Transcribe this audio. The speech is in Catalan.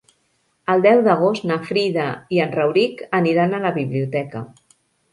El deu d'agost na Frida i en Rauric aniran a la biblioteca.